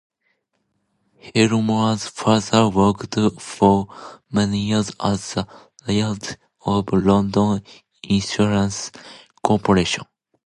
Helmore's father worked for many years at the Lloyd's of London insurance corporation.